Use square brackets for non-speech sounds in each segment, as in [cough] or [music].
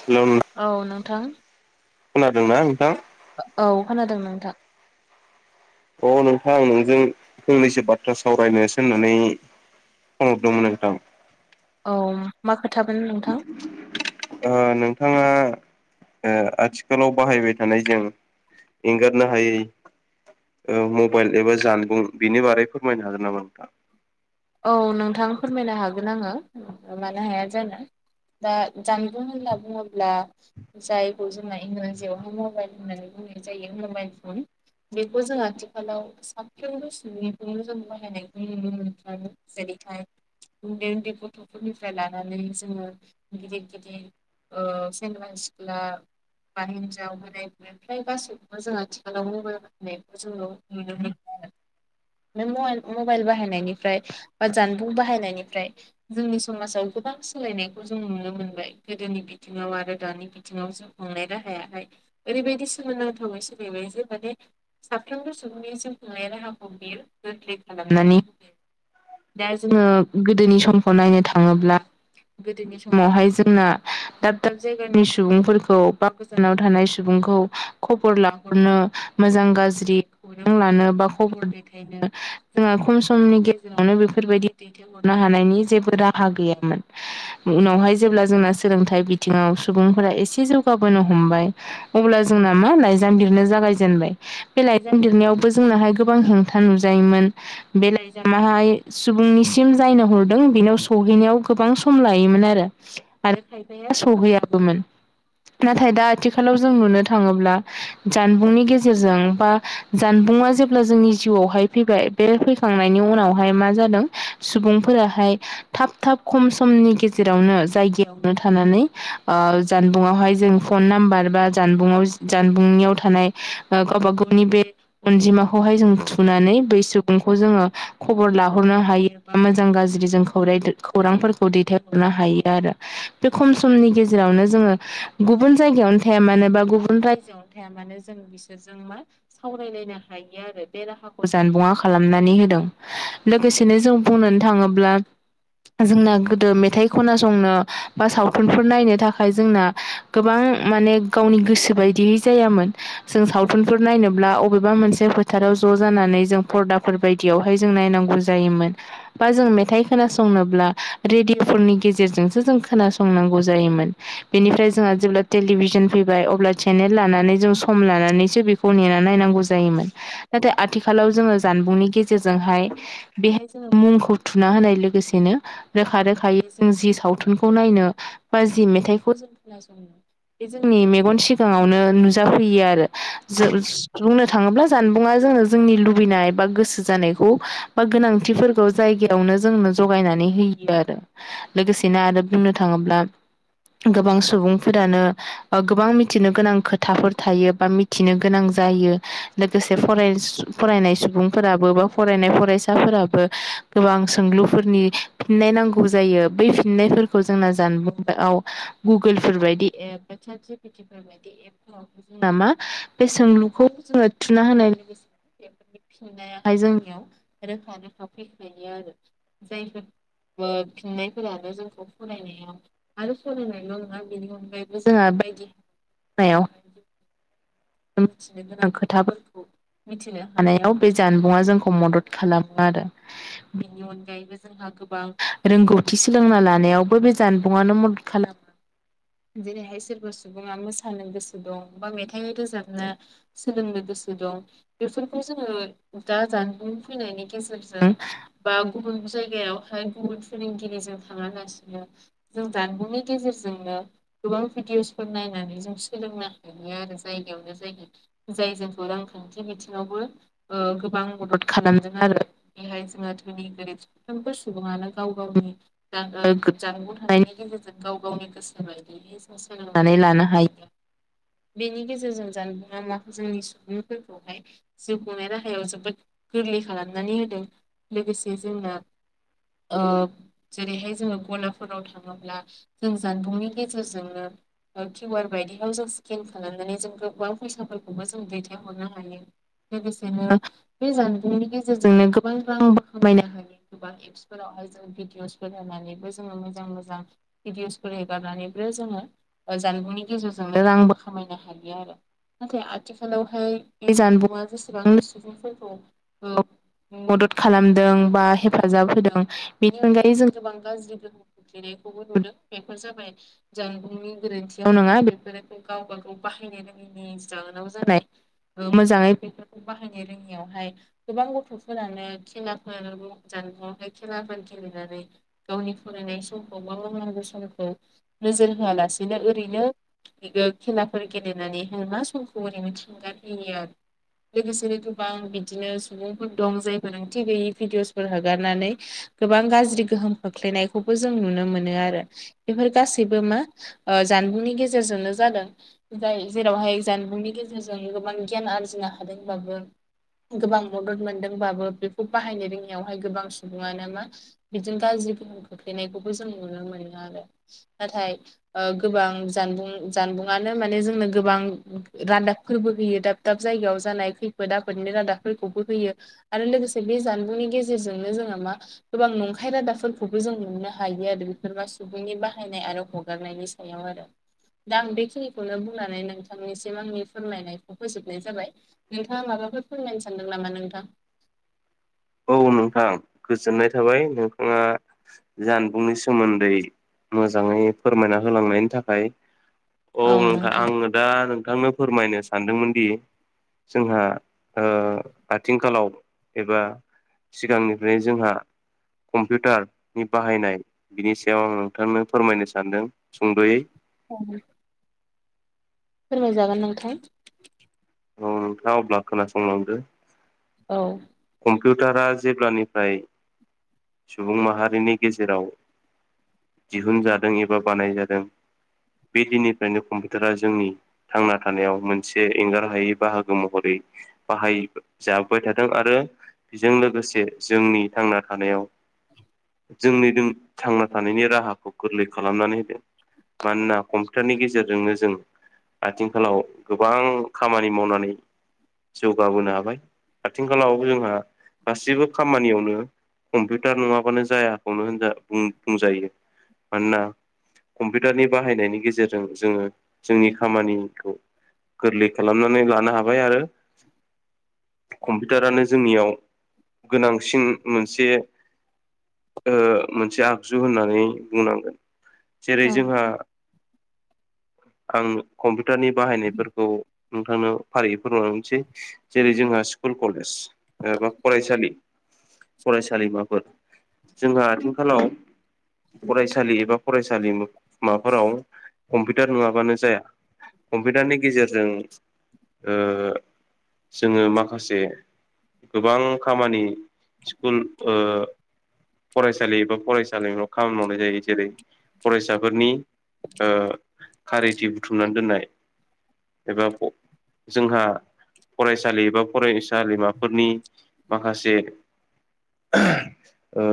[unintelligible] औ नोंथां। खोनादोंना नोंथां? औ खोनादों नोंथां। अ नोंथां आं नोंजों फंनैसो बाथ्रा सावरायनोसो होननानै फन हरदोंमोन नोंथां। औ मा खोथामोन नोंथां? ओ नोंथाङा ओ आथिखालाव बाहायबाय थानाय जों एंगारनो हायै ओ मबाइल एबा जानबुं बिनि बारै फोरमायनो हागोन नामा नोंथां? औ नोंथां फोरमायनो हागोन आङो मानो हाया जानो। दा जानबुं होनला बुङोब्ला जायखौ जोंना इंराजियावहाय मबाइल होननानै बुंनाय जायो मबाइल फन बेखौ जों आथिखालाव साफ्रोमबो सुबुंनिखौनो जों बाहायनाय नुनो मोनो। [unintelligible] उन्दै उन्दै गथ'फोरनिफ्राय लानानै जोङो गिदिर गिदिर ओ सेंग्रा सिख्ला बा हिन्जाव बोराय बुरि ओमफ्राय गासैखौबो जों आथिखालाव मबायल बाहायनायखौ जों नुनो मोनो आरो। नों मयाल मबाइल बाहायनायनिफ्राय बा जानबुं बाहायनायनिफ्राय जोंनि समाजाव गोबां सोलायनायखौ जों नुनो मोनबाय गोदोनि बि बिथिङाव आरो दानि बिथिङाव जिउ खांनाय राहायाहाय ओरैबायदि सोमोनांथावबाय सोलायबाय जे माने साफ्रोमबो सुबुंनिसिम खुंनाय राहाखौ बियो गोरलै खालामनानै दा जोङो गोदोनि समखौ नायनो थाङोब्ला गोदोनि समावहाय जोंना दाब दाब जायगानि सुबुंफोरखौ बा नाव थानाय सुबुंखौ खबर लाहरनो मोजां गाज्रि खौरां लानो बा खबर दैथायनो जोंहा खम समनि गे [inaudible] बेफोरबायदि दैथायहरनो हानायनि जेबो राहा गैयामोन। उनावहाय जेब्ला जोंना सोलोंथाइ बिथिङाव सुबुंफोरा एसे जौगाबोनो हमबाय अब्ला जोंना मा लाइजाम बिरनो जागायजेनबाय। बे लाइजाम लिरनायावबो जोंनाहाय गोबां हेंथा नुजायोमोन बे लाइजाम माहाय सुबुंनिसिम जायनो हरदों बेनाव सहैनायाव गोबां सम लायोमोन आरो। आरो खायफाया सौहैयाबोमोन नाथाय दा आथिखालाव जों नुनो थाङोब्ला जानबुंनि गेजेरजों बा जानबुंआ जेब्ला जोंनि जिउआवहाय फैबाय बे फैखां नायनि उनावहाय मा जादों सुबुंफोराहाय थाब थाब खम समनि गेजेरावनो जायगायावनो थानानै ओ जानबुंङावहाय जों फन नाम्बार बा जानबुंआव जानबुंनियाव थानाय ओ गावबा गावनि बे अनजिमाखौहाय जों थुनानै बै सुबुंखौ जोङो खबर लाहरनो हायो बा मोजां गाज्रि जों खौरायदो खौरांफोरखौ दैथायहरनो हायो आरो। बे खम समनि गेजेरावनो जोङो गुबुन जायगायावनो थाया मानो बा गुबुन रायजोआव थाया मानो जों बिसोरजों मा सावरायलायनो हायो आरो बे राहाखौ जानबुंआ खालामनानै होदों। लोगोसेनो जों बुंनानै थाङोब्ला जोंना गोदो मेथाइ खोनासंनो बा सावथुनफोर नायनो थाखाय जोंना गोबां माने गावनि गोसो बायदियै जायामोन। जों सावथुनफोर नायनोब्ला अबेबा मोनसे फोथाराव ज' जानानै जों फरदाफोर बायदियाव हाय जों नायनांगौ जायोमोन। बा जों मेथाइ खोनासंनोब्ला रेडिअ'फोरनि गेजेरजोंसो जों खोनासंनांगौ जायोमोन। बेनिफ्राय जोंहा जेब्ला टेलिभिसन फैबाय अब्ला चेनेल लानानै जों सम लानानैसो बेख [unintelligible] नेना नायनांगौ जायोमोन नाथाय आथिखालाव जोङो जानबुंनि गेजेरजोंहाय बेहाय जोङो मुंखौ थुना होनाय लोगोसेनो रोखा रोखायै जों जि सावथुनखौ नायनो बा जि मेथाइखौ बे जोंनि मेगन सिगाङावनो नुजाफैयो आरो ज बुंनो थाङोब्ला जानबुङा जोंनो जोंनि लुबैनाय बा गोसो जानायखौ बा गोनांथिफोरखौ जायगायावनो जोंनो जगायनानै होयो आरो। लोगोसेनो आरो बुंनो थाङोब्ला गोबां सुबुंफोरानो गोबां मिथिनो गोनां खोथाफोर थायो बा मिथ थिनो गोनां जायो लोगोसे फरेन्स फरायनाय सुबुंफोरा बोबा फरनाय फरायसाफोराबो गोबां सोंलुफोरनि फिननाय नांगौ जायो बे फिननायफोर खौ जोंना जानबुंआव गुगुलफोरबायदि एप [inaudible] फोरबायदि एपफोराव जोंना मा बे सोंलुखौ जोङो थुना होनाय लोगोसे बेफोरनि फिननायाहाय जोंनियाव रोखा रोखा फैखायो। [unintelligible] जायफोर ओ फिननायफोरानो जोंखौ फराय नायाव आरो फरायनायल' नङा बे बेनि अनगायैबो जोंहा बायदि [inaudible] नायाव मिथिनो गोनां खोथाफोरखौ मिथिनो हानायाव बे जान बुङा जोंखौ मदद खालामो आरो बेनि अनगायै जे जोंहा गोबां रोंगौथि सोलोंना लानायावबो बे जानबुंआनो मदद खालामो। जेरैहाय सोरबा सुबुङा मोसानो गोसो दं बा मेथाइ रोजाबनो सोलोंनो गोसो दं बेफोरखौ जोङो दा जानबुं फैनायनायनि गेजेरजों बा गुबुन जायगायावहाय गुबुन फोरोंगिरिजों थाङालासिनो जों जानबुंनि गेजेरजोंनो गोबां भिडिअसफोर नायनानै जों सोलोंनो हायो आरो जायगायावनो जायगायावहाय। जाय जोंखौ रांखान्थि बिथिङावबो ओ गोबां मदद खालामदों आरो बेहाय जोङो धोनि साफ्रोमबो सुबुङानो गाव गावनि जानगुं थानायनि गेजेरजों गाव गावनि गोसो बायदि सोलोंनानै लानो हायो। बेनि गेजेरजों जाना माखौ जोंनि सुबुंफोरखौहाय जोब गनाय राहायाव जोबोद गोरलै खालामनानै होदों लोगोसे जोंना ओ जेरैहाय जोङो गलाफोराव थाङोब्ला जों जानबुंनि गेजेरजोंनो किउ आर बायदियाव जों स्केन खालामनानै जों गोबां फैसाफोरखौबो जों दैथायहरनो हायो। लोगोसेनो बे जानबुंनि गेजेरजोंनो गोबां रां खामायनो हायो गोबां फोरावहाय जों भिडिअसफोर होनानैबो जोङो मोजां मोनो। मोजां भिडिअसफोर हगारनानैबो जोङो जानबुंनि गेजेरजोंनो रांबो खामायनो हायो आरो। नाथाय आथिखालावहाय बे जानबुंआ जेसेबां सुबुंफोरखौ मदद खालामदों बा हेफाजाब होदों बेनि अनगायै जों गोबां गाज्रि गोहोम जनायखौबो नुदों बेफोरजों ज जानबुंनि गोरोन्थियाव नङा बेफोरखौ गावब गाव बाहायनो रों जाहाव जानाय मोजाङै बेफोरखौ बाहायनो रोङियावहाय। गोबां गथ'फोरानो खेलाफोर जानबुंआवहाय खेलाफोर गेलेनानै गावनि फरायनाय समखौ बा मावनांगौ समखौ नोजोर होआलासेनो ओरैनो खेलाफोर गेलेनानैहाय मा समखौ ओरैनो थिुंगार होयो आरो लोगोसेनो गोबां बिदिनो सुबुंफोर दं जाय गोनांथि गैयि भिडिअसफोर हगारनानै गोबां गाज्रि गोहोम खोख्लैनायखौबो जों नुनो मोनो आरो। बेफोर गासैबो मा जानबुंनि गेजेरजोंनो जादों। जाय जेरावहाय जानबुंनि गेजेरजों गोबां गियान आरजिनो हादोंब्लाबो गोबां मदद मोनदोंबाबो बेखौ बाहायनो रोङिावहाय गोबां सुबुङानो मा बिदिनो गाज्रि गोहोम खोख्लैनायखौबो जों नुनो मोनो आरो नाथाय गोबां जानबुं जानबुंआनो माने जोंनो गोबां रादाब फोरबो होयो दाब दाब जायगायाव जानाय खैफोद आफोदनि रादाबफोरखौबो होयो आरो लोगोसे बे जानबुंनि गेजेरजोंनो जोंहा मा गोबां नंखाय रादाबफोरखौबो जों नुनो हायो आरो बेफोरबा सुबुंनि बाहायनाय आरो हगारनायनि आरो दा आं बेखिनिखौनो बुंनानै नोंथांनिसिम आंनि फोरमायनायखौ फोजोबनाय जाबाय। नोंथाङा माबाफोर फोरमायनो सानदों नामा नोंथां? औ नोंथां गोजोननाय थाबाय नोंथाङा जानबुंनि सोमोन्दै मोजाङै फोरमायना होलांनायनि थाखाय औ नोंथां आङो दा नोंथांनो फोरमायनो सानदोंमोन दि जोंहा आथिंखालाव एबा सिगांनिफ्राय जोंहा कम्पिउटारनि बाहायनाय बिनि सायाव आं नोंथांमोन फोरमायनो सानदों सुंद'यै औ। फोरमायजागोन नोंथां औ नोंथाङा अब्ला खोनासंलांदो औ कम्पिउटारा जेब्लानिफ्राय सुबुं माहारिनि गेजेराव दिहुनजादों एबा बानायजादों बे दिननिफ्रायनो कम्पिउटारा जोंनि थांना थानायाव मोनसे एंगार हायै बाहागो महरै बाहाय जाबोबाय थादों आरो बेजों लोगोसे जोंनि थांना थानायाव जोंनि दों थांना थानायनि राहाखौ गोरलै खालामनानै होदों मानोना कम्पिउटारनि गेजेरजोंनो जों आथिंखालाव गोबां खामानि मावनानै जौगाबोनो हाबाय आथिंखालावबो जोंहा गाससिबो खामानियावनो कम्पिउटार नङाबानो जायाखौनो होनजा बुं बुंजायो मानोना कम्पिटारनि बाहायनायनि गेजेरजों जोङो जोंनि खामानिखौ गोरलै खालामनानै लानो हाबाय आरो कम्पिटारानो जोंनियाव गोनांसिन मोनसे ओ मोनसे आगजु होननानै बुंनांगोन जेरै जोंहा आं कम्पिटारनि बाहायनायफोरखौ नोंथांनो फारियै फोरियै फोरमाय लांनोसै जेरै जोंहा स्कुल कलेज एबा फरायसालि फरायसालिमाफोर जोंहा आथिखालाव फरायसालि एबा फरायसालिमु माफोराव कम्पिटार नङाबानो जाया कम्पिउटारनि गेजेरजों ओ जोङो माखासे गोबां खामानि स्कुल ओ फरायसालि एबा फरायसालिमाफ्राव खामानि मावनाय जायो जेरै फरायसाफोरनि ओ खारिथि बुथुमनानै दोननाय एबा ब जोंहा फरायसालि एबा फरायसालिमा फोरनि माखासे ओ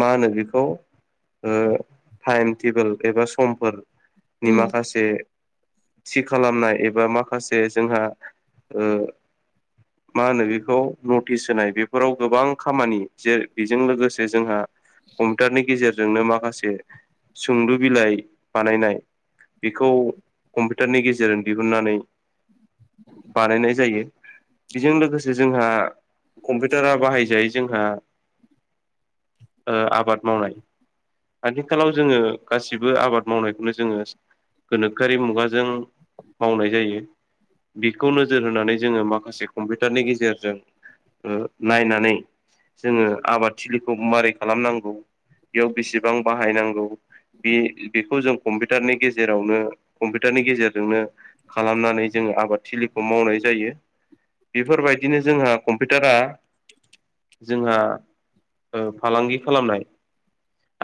मा होनो बेखौ ओ टाइम टेबोल एबा समफोर नि माखास जे थि खालामनाय एबा माखासे जोंहा ओ मा होनो बेखौ नटिस होनाय बेफोराव गोबां खामानि जे बेजों लोगोसे जोंहा कम्पिटारनि गेजेरजोंनो माखासे सोंलु बिलाइ बानायनाय बिखौ कम्पिउटारनि गेजेरजों दिहुननानै बानायनाय जायो बिजों लोगोसे जोंहा कम्पिटारा बाहायजायो जोंहा ओ आबाद मावनाय आथिखालाव जोङो गासिबो आबाद मावनायखौनो जोङो गोनोखोआरि मुगाजों मावनाय जायो बिखौ नोजोर होनानै जोङो माखासे कम्पिटारनि गेजेरजों ओ नायनानै जोङो आबादथिलिखौ मारै खालामनांगौ बियाव बिसेबां बाहायनांगौ बि बेखौ जों कम्पिउटारनि गेजेरावनो कम्पिउटारनि गेजेरजोंनो खालामनानै जोङो आबादथिलिखौ मावनाय जायो बिफोरबायदिनो जोंहा कम्पिटारा जोंहा ओ फालांगि खालामनाय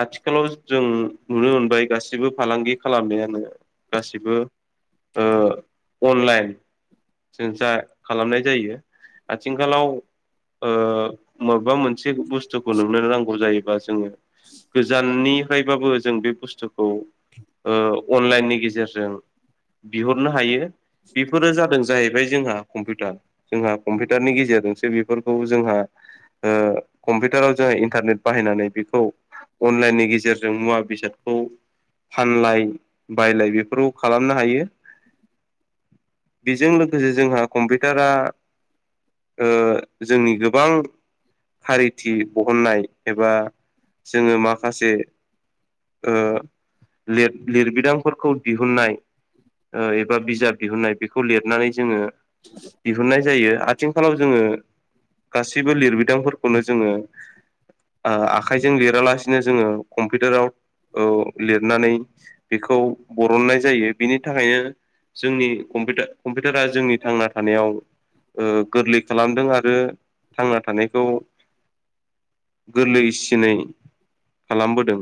आथिखालाव जों नुनो मोनबाय गासिबो फालांगि खालामनायानो गासिबो ओ अनलाइन जों जा खालामनाय जायो आथिंखालाव ओ माबेबा मोनसे बुस्थुखौ नोंनो नांगौ जायोबा जोङो गोजा न निफ्रायबाबो जों बे बुस्थुखौ ओ अनलाइननि गेजेरजों बिहरनो हायो बेफोरो जादों जाहैबाय जोंहा कम्पिटार जोंहा कम्पिटारनि गेजेरजोंसो बेफोरखौ जोंहा ओ कम्पिटाराव जोंहा इन्टारनेट बाहायनानै बेखौ अनलाइननि गेजेरजों मुवा बेसादखौ फानलाय बायलाय बेफोराव खालामनो हायो बिजों लोगोसे जोंहा कम्पिटारा ओ जोंनि गोबां हारि [unintelligible] बहननाय एबा जोङो माखासे ओ लिर-लिरबिदांफोरखौ दिहुननाय एबा बिजाब दिहुननाय बेखौ लिरनानै जोङो दिहुननाय जायो आथिंखालाव जोङो गासैबो लिरबिदांफोरखौनो जोङो आखाइजों लिरालासिनो जोङो कम्पिउटाराव लिरनानै बेखौ बरननाय जायो बिनि थाखायनो जोंनि कम्पिटार कम्पिउटारा जोंनि थांना थानायाव गोरलै खालामदों आरो थांना थानायखौ गोरलैसिनै खालामबोदों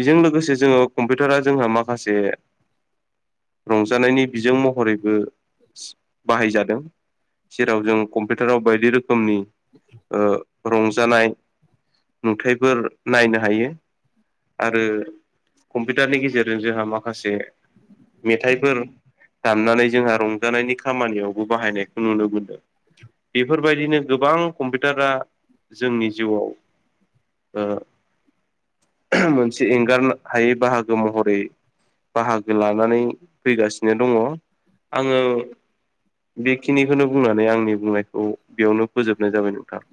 बेजों लोगोसे जोङो कम्पिउटारा जोंहा माखासे रंजानायनि बिजों महरैबो बाहायजादों जेराव जों कम्पिउटाराव बायदि रोखोम रोखोमनि रंजानाय नुथायाइफोर नायनो हायो आरो कम्पिउटारनि गेजेरजों जोंहा माखासे मेथाइफोर दामनानै जोंहा रंजानायनि खामानियावबो बाहायनायखौ नुनो मोनदों बेफोरबायदिनो गोबां कम्पिउटारा जोंनि जिउआव मोनसे एंगारनो हायै बाहागो महरै बाहागो लानानै फैगासिनो दङ आङो बेखिनिखौनो बुंनानै आंनि बुंनायखौ बेयावनो फोजोबनाय जाबाय नोंथां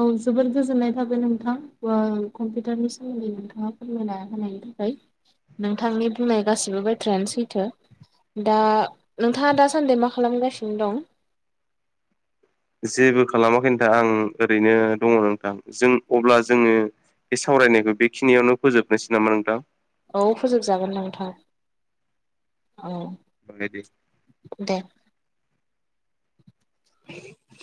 औ जबोद गोजोननाय थाबाय नोंथां कम्पिउटारनि सोमोन्दै नोंथाङा फोरमायना होनायनि थाखाय नोंथांनि बुंनाय गासिबो बथ्रायानो सैथो दा नोंथाङा दासान्दि मा खालामगासिनो दं जेबो खालामाखै नोंथां आं ओरैनो दङ नोंथां जों अब्ला जोङो बे सावरायनायखौ बेखिनियावनो फोजोबनोसै नामा नोंथां? औ फोजोबजागोन नोंथां। औ। [inaudible] दे। [inaudible]